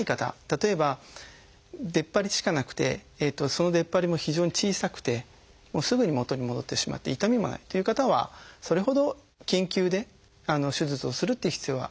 例えば出っ張りしかなくてその出っ張りも非常に小さくてすぐに元に戻ってしまって痛みもないという方はそれほど緊急で手術をするっていう必要はありません。